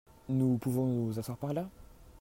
Nous pouvons nous asseoir par là ?